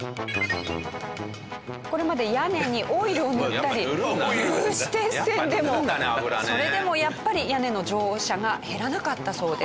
これまで屋根にオイルを塗ったり有刺鉄線でもそれでもやっぱり屋根の乗車が減らなかったそうです。